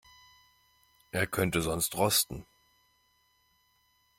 Er könnte sonst rosten.